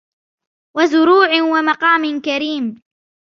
وَزُرُوعٍ وَمَقَامٍ كَرِيمٍ